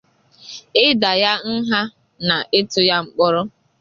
ịdà ya nha na ịtụ ya mkpọrọ